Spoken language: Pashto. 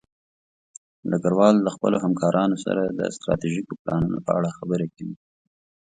ډګروال د خپلو همکارانو سره د ستراتیژیکو پلانونو په اړه خبرې کوي.